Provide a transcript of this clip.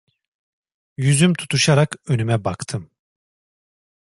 Yüzüm tutuşarak önüme baktım.